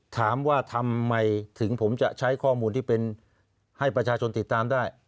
ถามว่าทำไมถึงผมจะใช้ข้อมูลที่เป็นให้ประชาชนติดตามได้